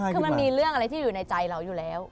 คือมันมีเรื่องอะไรที่อยู่ในใจเราอยู่แล้ว